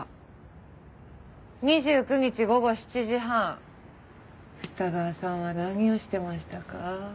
２９日午後７時半二川さんは何をしてましたか？